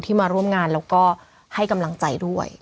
มาร่วมงานแล้วก็ให้กำลังใจด้วย